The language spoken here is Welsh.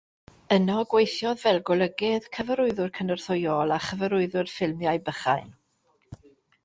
Yno gweithiodd fel golygydd, cyfarwyddwr cynorthwyol a cyfarwyddwr ffilmiau bychain.